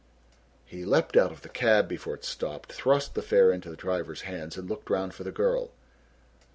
He leapt out of the cab before it stopped, thrust the fare into the driver's hands and looked round for the girl.